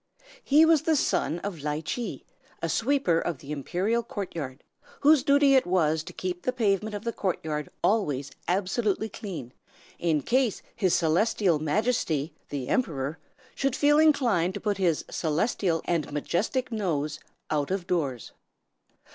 He was the son of Ly Chee, a sweeper of the Imperial court yard, whose duty it was to keep the pavement of the court yard always absolutely clean, in case His Celestial Majesty, the Emperor, should feel inclined to put his celestial and majestic nose out of doors.